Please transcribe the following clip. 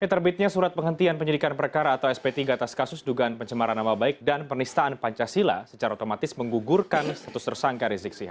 terbitnya surat penghentian penyidikan perkara atau sp tiga atas kasus dugaan pencemaran nama baik dan penistaan pancasila secara otomatis menggugurkan status tersangka rizik sihab